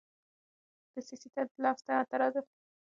د سیاست د لفظ مترادف الفاظ په قران کريم کښي راغلي دي.